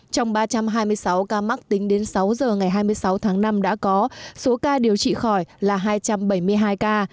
trong ba trăm hai mươi sáu ca mắc tính đến sáu giờ ngày hai mươi sáu tháng năm đã có số ca điều trị khỏi là hai trăm bảy mươi hai ca